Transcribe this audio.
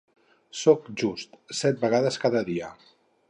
Sóc just: set vegades cada dia.